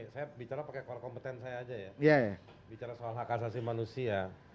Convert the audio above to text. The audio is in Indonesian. saya bicara pakai kompeten saya aja ya bicara soal hak asasi manusia